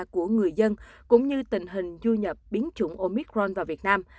của người dân cũng như tình hình du nhập biến chủng omicron vào việt nam